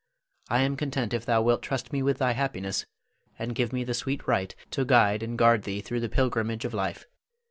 I am content if thou wilt trust me with thy happiness, and give me the sweet right to guide and guard thee through the pilgrimage of life.